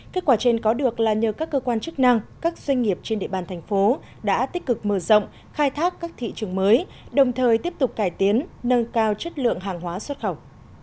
kết quả trên có được là nhờ các cơ quan chức năng các doanh nghiệp trên địa bàn thành phố đã tích cực mở rộng khai thác các thị trường mới đồng thời tiếp tục cải tiến nâng cao chất lượng hàng hóa xuất khẩu